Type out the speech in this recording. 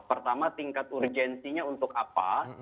pertama tingkat urgensinya untuk apa